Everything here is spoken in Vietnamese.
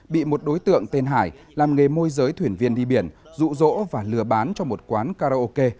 bị một đối tượng tên hải làm nghề môi giới thuyền viên đi biển dụ dỗ và lừa bán cho một quán karaoke